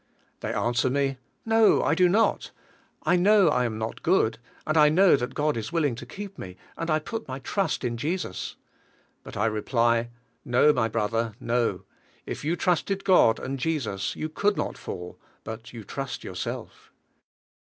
They an swer me: "No, I do not; I know I am not good; and I know that God is willing to keep me, and I put my trust in Jesus." But I reply, "No, my brother; no; if you trusted God and Jesus, you could not fall, but you trust yourself."